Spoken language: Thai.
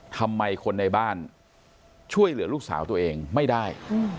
ทำไมคนในบ้านช่วยเหลือลูกสาวตัวเองไม่ได้